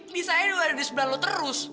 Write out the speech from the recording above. di saya nih udah di sebelah lu terus